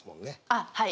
あっはい。